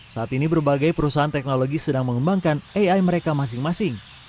saat ini berbagai perusahaan teknologi sedang mengembangkan ai mereka masing masing